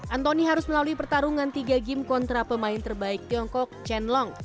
antoni harus melalui pertarungan tiga game kontra pemain terbaik tiongkok chen long